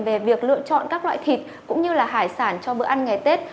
về việc lựa chọn các loại thịt cũng như hải sản cho bữa ăn ngày tết